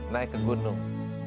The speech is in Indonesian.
naik ke gunung